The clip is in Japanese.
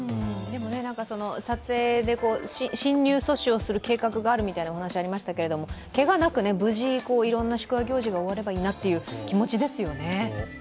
でも撮影で、侵入阻止をする計画があるみたいな話がありましたけどけがなく無事、いろんな祝賀行事が終わればいいなという気持ちですよね。